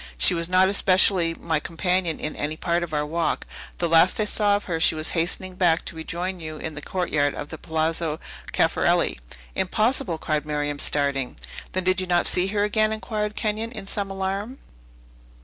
She was not especially my companion in any part of our walk. The last I saw of her she was hastening back to rejoin you in the courtyard of the Palazzo Caffarelli." "Impossible!" cried Miriam, starting. "Then did you not see her again?" inquired Kenyon, in some alarm.